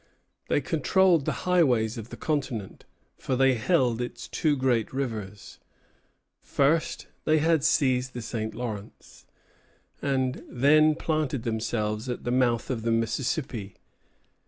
They controlled the highways of the continent, for they held its two great rivers. First, they had seized the St. Lawrence, and then planted themselves at the mouth of the Mississippi.